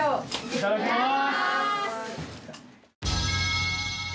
いただきます！